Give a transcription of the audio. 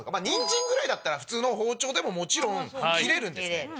ニンジンぐらいだったら普通の包丁でももちろん切れるんですね。